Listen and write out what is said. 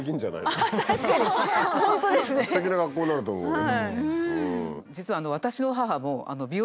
すてきな学校になると思うけど。